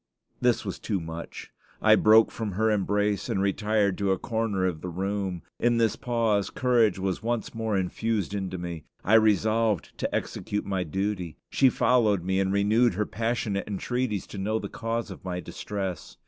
This was too much. I broke from her embrace and retired to a corner of the room. In this pause, courage was once more infused into me. I resolved to execute my duty. She followed me, and renewed her passionate entreaties to know the cause of my distress.